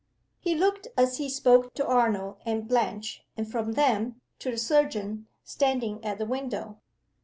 He looked as he spoke to Arnold and Blanche, and from them to the surgeon standing at the window.